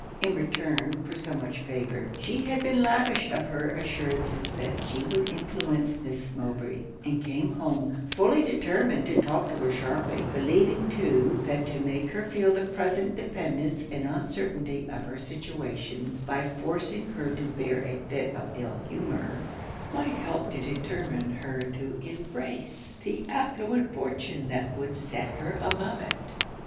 In return for so much favour, she had been lavish of her assurances that she would influence Miss Mowbray; and came home, fully determined to talk to her sharply; believing too, that to make her feel the present dependance and uncertainty of her situation by forcing her to bear a fit of ill humour, might help to determine her to embrace the affluent fortune that would set her above it.